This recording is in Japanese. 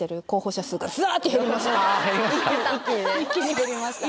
一気に減りました